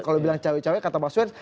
kalau bilang cowok cowok kata pak swens